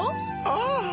ああ。